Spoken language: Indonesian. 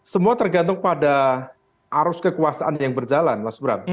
semua tergantung pada arus kekuasaan yang berjalan mas bram